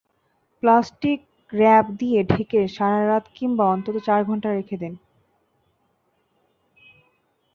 Plastic wrap দিয়ে ঢেকে সারা রাত কিংবা অন্তত চার ঘন্টা রেখে দিন।